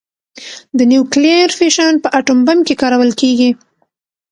د نیوکلیر فیشن په اټوم بم کې کارول کېږي.